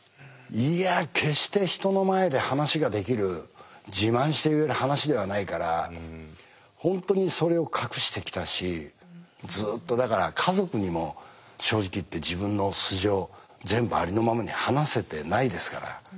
いや決して人の前で話ができる自慢して言う話ではないから本当にそれを隠してきたしずっとだから家族にも正直言って自分の素性全部ありのままに話せてないですから。